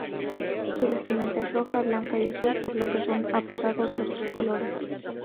Su vestimenta es roja, blanca y azul, por lo que son apodados los "tricolores".